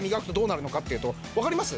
わかります？